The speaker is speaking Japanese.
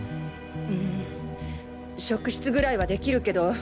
うん職質ぐらいはできるけど。